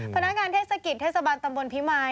พนักงานเทศกิจเทศบาลตำบลพิมาย